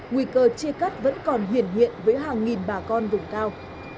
nguy cơ chia cắt vẫn còn hiển hiện với hàng nghìn bà con vùng cao